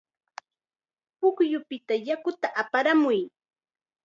Pukyupita yakuta aparamuy.